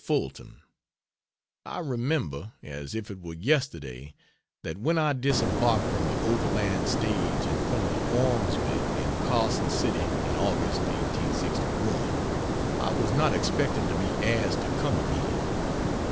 FULTON, I remember, as if it were yesterday, that when I disembarked from the overland stage in front of the Ormsby in Carson City in August, 1861, I was not expecting to be asked to come again.